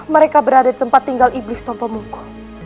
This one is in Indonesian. mereka berada di tempat tinggal iblis tontomuko